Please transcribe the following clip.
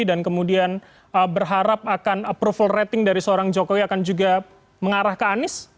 dan kemudian berharap akan approval rating dari seorang jokowi akan juga mengarah ke anies